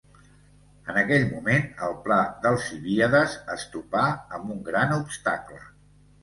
En aquell moment, el pla d'Alcibíades es topà amb un gran obstacle.